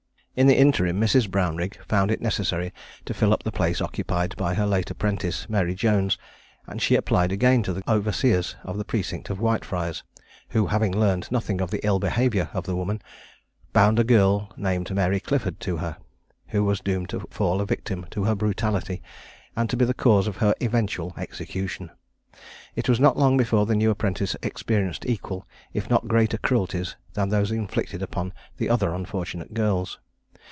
In the interim Mrs. Brownrigg found it necessary to fill up the place occupied by her late apprentice, Mary Jones; and she applied again to the overseers of the precinct of Whitefriars, who, having learned nothing of the ill behaviour of the woman, bound a girl named Mary Clifford to her, who was doomed to fall a victim to her brutality, and to be the cause of her eventual execution. It was not long before the new apprentice experienced equal if not greater cruelties than those inflicted upon the other unfortunate girls.